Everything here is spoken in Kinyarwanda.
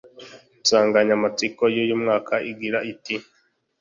Insanganyamatsiko y’uyu mwaka igira iti'